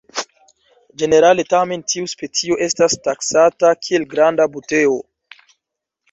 Ĝenerale tamen tiu specio estas taksata kiel granda "Buteo".